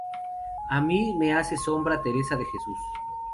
A mí me hace sombra Teresa de Jesús.